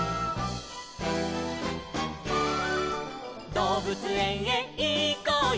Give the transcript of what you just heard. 「どうぶつえんへいこうよ